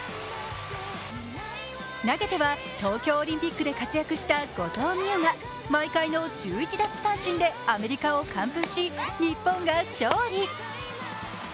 投げては、東京オリンピックで活躍した後藤希友が毎回の１１奪三振でアメリカを完封し日本が勝利。